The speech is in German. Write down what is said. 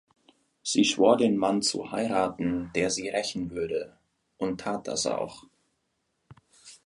Sie schwor den Mann zu heiraten, der sie rächen würde, und tat das auch.